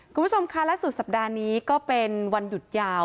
คุณผู้ชมค่ะและสุดสัปดาห์นี้ก็เป็นวันหยุดยาว